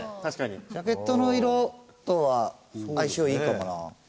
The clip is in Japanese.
ジャケットの色とは相性いいかもな。